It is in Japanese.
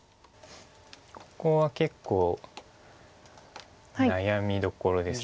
ここは結構悩みどころです